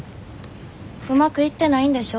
うまくいってないんでしょ？